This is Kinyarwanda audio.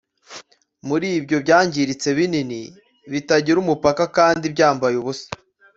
muri ibyo byangiritse binini, bitagira umupaka kandi byambaye ubusa